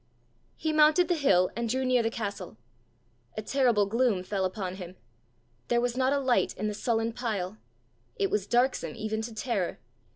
He mounted the hill and drew near the castle. A terrible gloom fell upon him: there was not a light in the sullen pile! It was darksome even to terror!